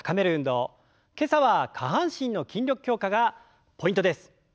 今朝は下半身の筋力強化がポイントです。